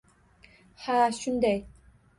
Ha, shunday.